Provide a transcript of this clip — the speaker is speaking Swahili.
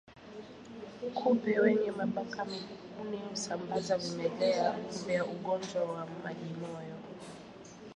Kupe wenye mabaka miguuni husambaza vimelea vya ugonjwa wa majimoyo